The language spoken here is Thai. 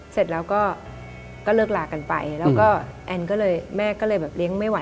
เสร็จแล้วก็เลิกลากันไปแล้วก็แอนก็เลยแม่ก็เลยแบบเลี้ยงไม่ไห